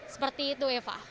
seperti itu eva